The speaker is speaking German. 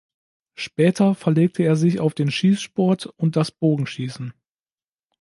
Später verlegte er sich auf den Schießsport und das Bogenschießen.